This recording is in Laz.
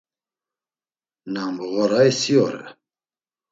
Na mğoray si ore.